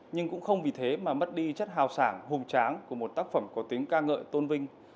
nhưng cũng không vì thế mà mất đi chất hào sảng hùng tráng của một tác phẩm có tính ca ngợi tôn vinh